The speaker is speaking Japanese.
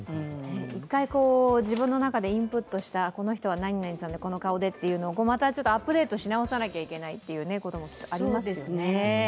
一回、自分の中でインプットしたこの人は何々さんでこの顔でというのをまたアップデートしないといけないということもあるかもしれませんね。